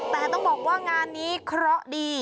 แต่ต้องบอกว่างานนี้เคราะห์ดี